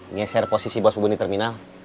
nyeser posisi bos bubun di terminal